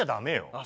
ああ